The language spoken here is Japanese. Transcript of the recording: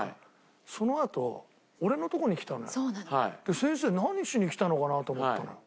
先生何しに来たのかな？と思ったのよ。